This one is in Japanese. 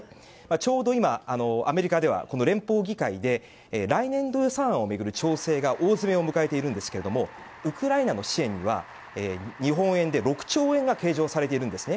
ちょうど今、アメリカでは連邦議会で来年度予算案を巡る調整が大詰めを迎えているんですがウクライナの支援には日本円で６兆円が計上されているんですね。